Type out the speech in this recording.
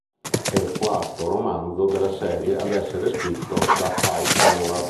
È il quarto romanzo della serie ad essere scritto da Hy Conrad.